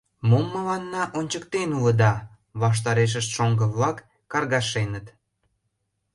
Мом мыланна ончыктен улыда? — ваштарешышт шоҥго-влак каргашеныт.